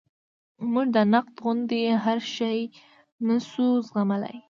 موږ د نقد غوندې هر شی نشو زغملی.